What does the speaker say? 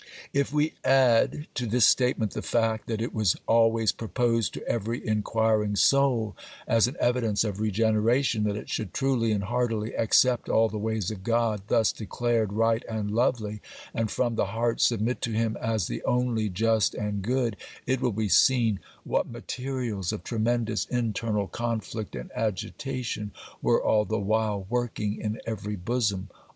If we add to this statement the fact, that it was always proposed to every inquiring soul, as an evidence of regeneration, that it should truly and heartily accept all the ways of God thus declared right and lovely, and from the heart submit to Him as the only just and good, it will be seen what materials of tremendous internal conflict and agitation were all the while working in every bosom.